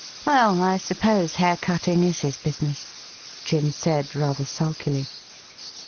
' Well, I suppose hair cutting is his business,' Jim said rather sulkily.